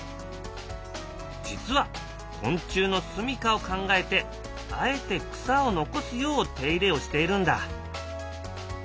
実は昆虫のすみかを考えてあえて草を残すよう手入れをしているんだ。